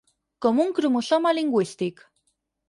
Com un cromosoma lingüístic.